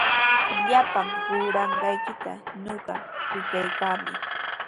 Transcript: Llapan ruranqaykita ñuqa rikaykaami.